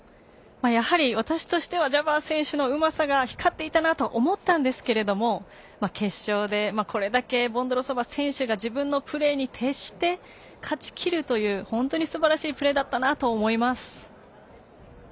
やはり、私としてはジャバー選手のうまさが光っていたなと思ったんですけれども、決勝でこれだけボンドロウソバ選手が自分のプレーに徹して勝ちきるという、本当にすばらしいプレーだったなと思います。